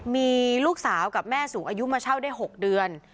มีลูกสาวกับแม่สูงอายุมาเช่าได้๖เดือน